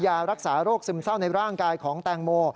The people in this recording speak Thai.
ยารักษาโรคซึมเศร้าในร่างกายของแตงโม